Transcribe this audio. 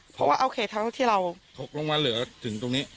เพราะว่าโอเคทั้งที่เราถกลงมาเหลือถึงตรงนี้